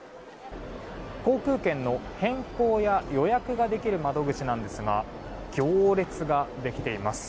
航空券の変更や予約ができる窓口なんですが行列ができています。